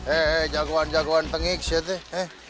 eh jagoan jagoan tengiks ya tuh